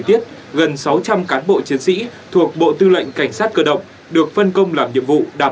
tiết gần sáu trăm linh cán bộ chiến sĩ thuộc bộ tư lệnh cảnh sát cơ động được phân công làm nhiệm vụ đảm